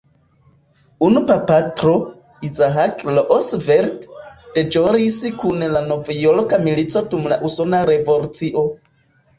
Unu prapatro, Isaac Roosevelt, deĵoris kun la novjorka milico dum la Usona Revolucio.